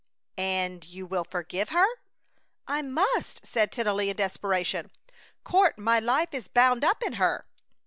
"And you will forgive her?" "I must!" said Tennelly, in desperation. "Court, my life is bound up in her!"